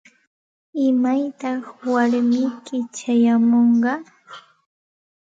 ¿Imaytaq warmiyki chayamunqa?